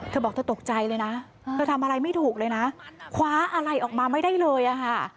เธอบอกเธอตกใจเลยนะเธอทำอะไรไม่ถูกเลยนะคว้าอะไรออกมาไม่ได้เลยอะค่ะ